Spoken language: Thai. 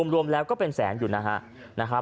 รวมแล้วก็เป็นแสนอยู่นะครับ